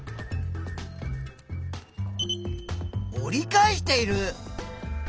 折り返している！